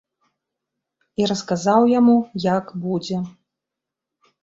І расказаў яму, як будзе.